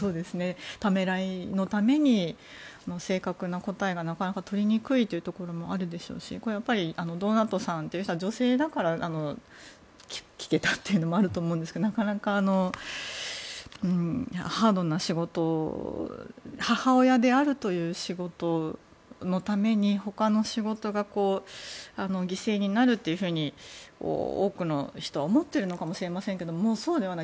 ためらいのために正確な答えがとりにくいところもあるでしょうしドーナトさんという人は女性だから聞けたというのもあると思うんですけどなかなかハードな仕事。母親であるという仕事のために他の仕事が犠牲になるというふうに多くの人は思っているのかもしれませんけれどもそうではない。